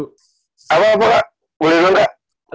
apa apa lah boleh boleh